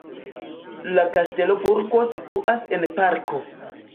La kastelo-burgo situas en parko.